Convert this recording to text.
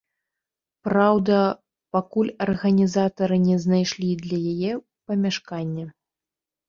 Праўда, пакуль арганізатары не знайшлі для яе памяшкання.